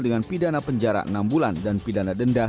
dengan pidana penjara enam bulan dan pidana denda